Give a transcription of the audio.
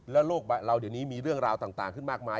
แล้วโลกเราเดี๋ยวนี้มีเรื่องราวต่างขึ้นมากมาย